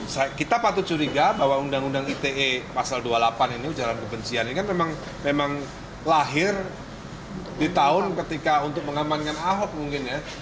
jadi kita patut curiga bahwa undang undang ite pasal dua puluh delapan ini ujaran kebencian ini kan memang lahir di tahun ketika untuk mengamankan ahok mungkin ya